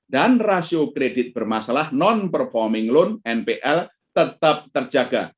dan rasio kredit bermasalah non performing loan tetap terjaga